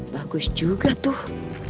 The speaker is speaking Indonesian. bagus juga tuh